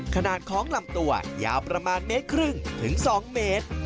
ขนาดของลำตัวยาวประมาณเมตรครึ่งถึง๒เมตร